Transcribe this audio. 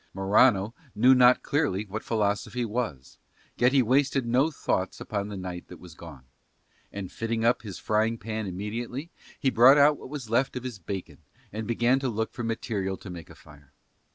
Morano knew not clearly what philosophy was, yet he wasted no thoughts upon the night that was gone; and, fitting up his frying pan immediately, he brought out what was left of his bacon and began to look for material to make a fire.